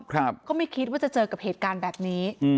ก็ไม่คิดว่าจะเจอกับเหตุการณ์แบบนี้